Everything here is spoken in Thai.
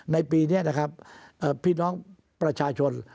ในปีนี้นะครับพี่น้องประชาชน